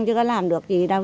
chứ có làm được gì đâu